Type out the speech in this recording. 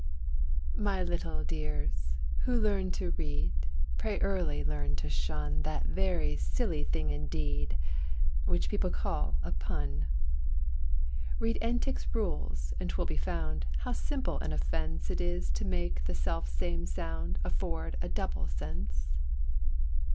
My little dears who learn to read, pray early learn to shun That very silly thing indeed, which people call a pun. Read Entick's rules, and 'twill be found, how simple an offence It is to make the self same sound afford a double sense.